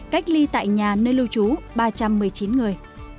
cách ly tại nhà nơi lưu trú ba trăm một mươi chín người